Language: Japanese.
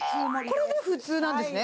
これが普通なんですね。